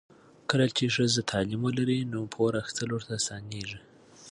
کله چې ښځه تعلیم ولري، نو پور اخیستل ورته اسانېږي.